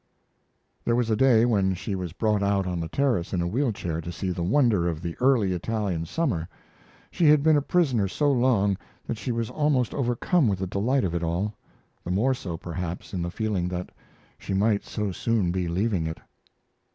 There was a day when she was brought out on the terrace in a wheel chair to see the wonder of the early Italian summer. She had been a prisoner so long that she was almost overcome with the delight of it all the more so, perhaps, in the feeling that she might so soon be leaving it.